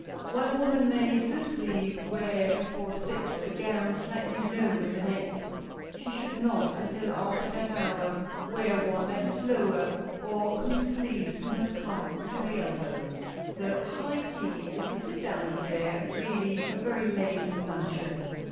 While a woman may suitably wear before six a gown slightly low in the neck, she should not until after that hour wear one that is lower or whose sleeves do not come to the elbow. The "high tea" is a sit down affair, really a very late luncheon.